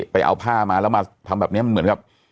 ไปเอาผ้ามาแล้วมาทำแบบนี้มันเหมือนกับ